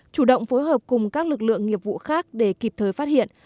chủ động phối hợp cùng các lực lượng nghiệp vụ khác để kịp thời phát hiện